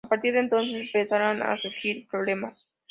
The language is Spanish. A partir de entonces empezarán a surgir problemas.